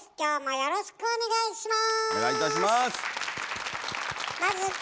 よろしくお願いします。